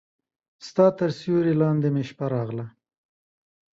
ستا تر سیوري لاندې مې شپه راغله